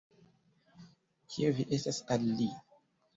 Kio vi estas al li?